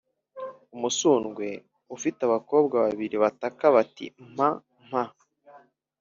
“umusundwe ufite abakobwa babiri bataka bati ‘mpa, mpa!’